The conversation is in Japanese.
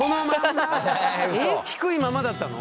低いままだったの？